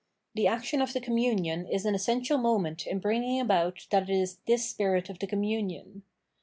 The action of the communion is an essential moment in bringing about that it is this spirit of the communion.